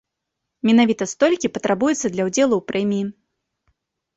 Менавіта столькі патрабуецца для ўдзелу ў прэміі.